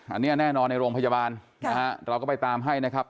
อันนี้แน่นอนในโรงพยาบาลนะฮะเราก็ไปตามให้นะครับ